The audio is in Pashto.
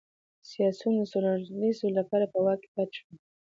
سیاسیون د څلورو لسیزو لپاره په واک کې پاتې شول.